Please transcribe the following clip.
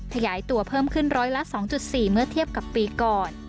ขยายตัวเพิ่มขึ้นร้อยละ๒๔เมื่อเทียบกับปีก่อน